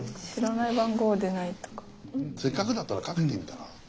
せっかくだったらかけてみたら？